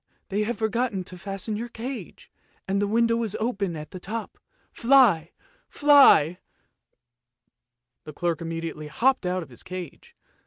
they have forgotten to fasten your cage, and the window is open at the top. Fly! fly! " The clerk immediately hopped out of his cage.